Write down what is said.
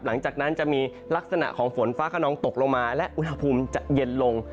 หลังจากนั้นจะมีลักษณะของฝนฟ้าขนองตกลงมาและอุณหภูมิจะเย็นลง